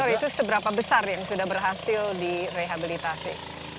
itu seberapa besar yang sudah berhasil direhabilitasi